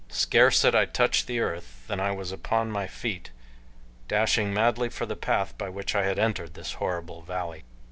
Scarce had I touched the earth than I was upon my feet, dashing madly for the path by which I had entered this horrible valley.